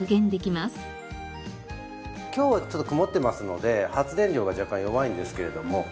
今日はちょっと曇ってますので発電量が若干弱いんですけれども。